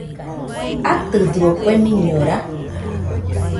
¿Atɨdo kue miñora?